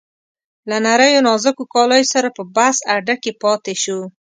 له نریو نازکو کالیو سره په بس اډه کې پاتې شو.